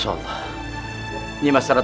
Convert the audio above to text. iya betul apa yang dikatakan oleh syekh guru putraku